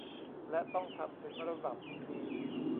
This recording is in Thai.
และต้องทำถึงระดับมี